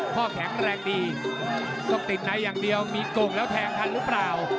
แข็งแรงดีต้องติดในอย่างเดียวมีโก่งแล้วแทงทันหรือเปล่า